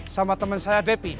sama temen saya depi